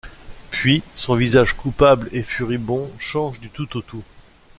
Puis son visage coupable et furibond change du tout au tout.